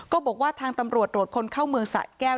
บอกว่าทางตำรวจตรวจคนเข้าเมืองสะแก้ว